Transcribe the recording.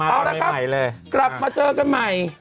เอาละครับกลับมาเจอกันใหม่